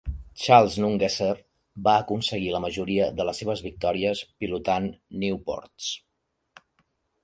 Charles Nungesser va aconseguir la majoria de les seves victòries pilotant Nieuports.